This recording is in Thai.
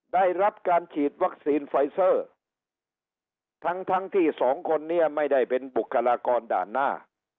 ได้รับการฉีดวัคซีนไฟเซอร์ทั้งทั้งที่สองคนนี้ไม่ได้เป็นบุคลากรด่านหน้า